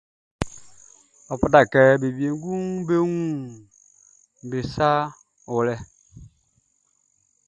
Ɔ fata kɛ a wun ɔ wienguʼm be saʼm be wlɛ.